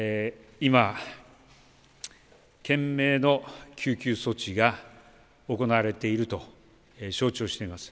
今、懸命の救急措置が行われていると承知をしています。